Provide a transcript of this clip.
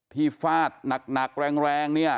ที่ฟาดหนักแรง